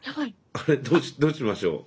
あれどうしましょう？